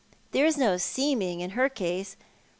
" There is no seeming in her case.